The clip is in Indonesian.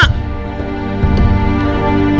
kau tak bisa